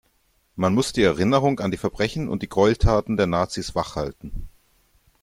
Man muss die Erinnerung an die Verbrechen und die Gräueltaten der Nazis wach halten.